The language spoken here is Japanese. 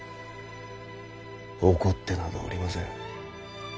怒ってなどおりません。